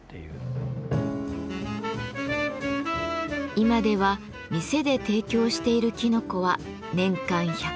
今では店で提供しているきのこは年間１００種余り。